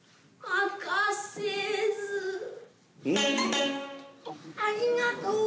ありがとう。